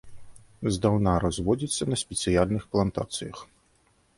Здаўна разводзіцца на спецыяльных плантацыях.